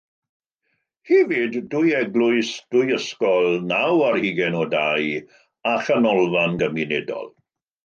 Hefyd dwy eglwys, dwy ysgol, naw ar hugain o dai a chanolfan gymunedol.